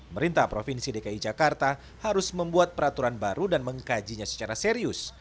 merintah provinsi dki jakarta harus membuat peraturan baru dan mengkajinya secara serius